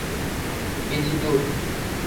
Biti duu.